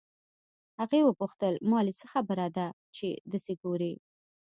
هغې وپوښتل مالې څه خبره ده چې دسې ګورې.